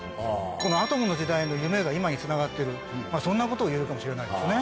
このアトムの時代の夢が今につながっている、そんなことがいえるかもしれないですね。